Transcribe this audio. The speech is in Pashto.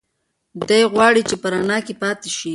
دی غواړي چې په رڼا کې پاتې شي.